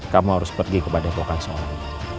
kamu harus pergi kepada pelokan seorang